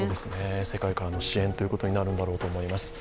世界からの支援ということになるんだろうと思います。